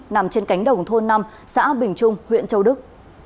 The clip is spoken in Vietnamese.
nằm trên cánh đồng thôn năm xã bình trung huyện châu đức